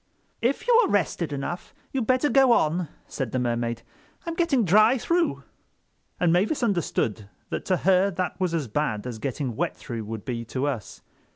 "If you are rested enough you'd better go on," said the Mermaid. "I'm getting dry through." And Mavis understood that to her that was as bad as getting wet through would be to us.